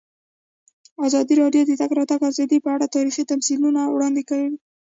ازادي راډیو د د تګ راتګ ازادي په اړه تاریخي تمثیلونه وړاندې کړي.